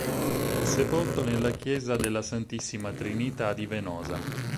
Fu sepolto nella chiesa della Santissima Trinità di Venosa.